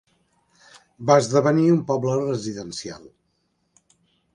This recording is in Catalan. Va esdevenir un poble residencial.